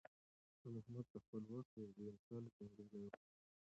شاه محمود د خپل وخت یو بې مثاله جنګیالی و.